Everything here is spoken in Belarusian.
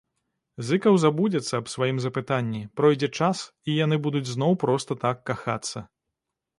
Зыкаў забудзецца аб сваім запытанні, пройдзе час, і яны будуць зноў проста так кахацца.